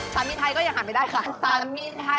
สารมีนไทยก็อย่าห่างไม่ค่ะ